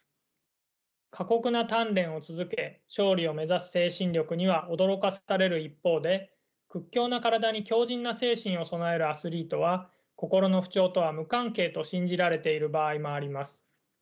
過酷な鍛錬を続け勝利を目指す精神力には驚かされる一方で屈強な体に強じんな精神を備えるアスリートは心の不調とは無関係と信じられている場合もあります。